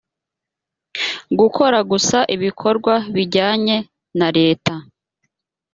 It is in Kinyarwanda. gukora gusa ibikorwa bijyanye na reta.